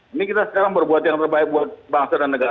ini kita sekarang berbuat yang terbaik buat bangsa dan negara